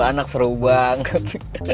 anak seru banget